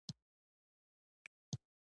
زموږ دفتر په کابل پوهنتون کې دی.